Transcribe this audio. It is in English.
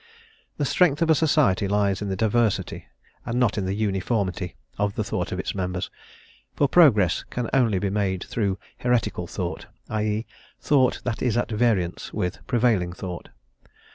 The strength of a society lies in the diversity, and not in the uniformity, of the thought of its members, for progress can only be made through heretical thought, i.e., thought that is at variance with prevailing thought.